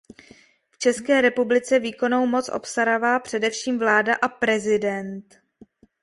V České republice výkonnou moc obstarává především vláda a prezident.